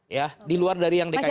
ya di luar dari yang dikaitkan